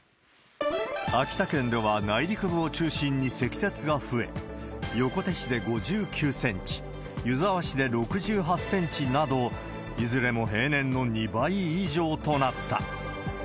秋田県では内陸部を中心に積雪が増え、横手市で５９センチ、湯沢市で６８センチなど、いずれも平年の２倍以上となった。